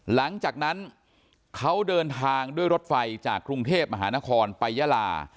หลังจากนั้นเขาเดินทางด้วยรถไฟจากกรุงเทพมหานครไปยาลา